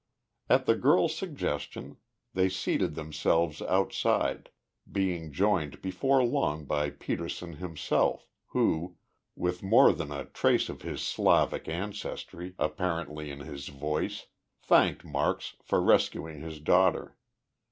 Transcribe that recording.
At the girl's suggestion they seated themselves outside, being joined before long by Petersen himself, who, with more than a trace of his Slavic ancestry apparent in his voice, thanked Marks for rescuing his daughter.